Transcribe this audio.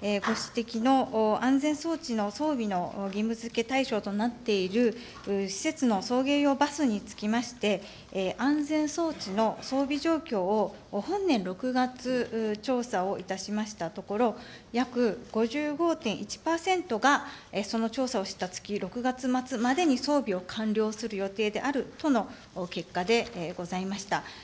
ご指摘の安全装置の装備の義務づけ対象となっている施設の送迎用バスにつきまして、安全装置の装備状況を本年６月調査をいたしましたところ、約５５．１％が、その調査をした月、６月末までに装備を完了する予定であるとの結果でございました。